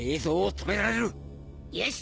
よし！